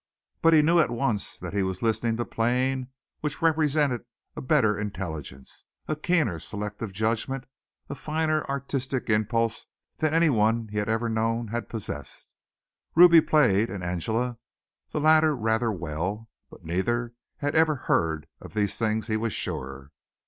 But he knew at once that he was listening to playing which represented a better intelligence, a keener selective judgment, a finer artistic impulse than anyone he had ever known had possessed. Ruby played and Angela, the latter rather well, but neither had ever heard of these things he was sure.